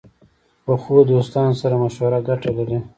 پخو دوستانو سره مشوره ګټه لري